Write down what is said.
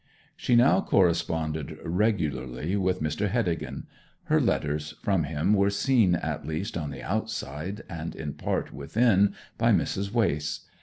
She now corresponded regularly with Mr. Heddegan. Her letters from him were seen, at least on the outside, and in part within, by Mrs. Wace.